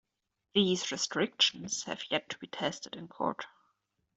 These restrictions have yet to be tested in court.